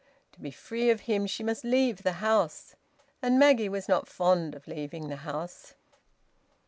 To be free of him she must leave the house; and Maggie was not fond of leaving the house.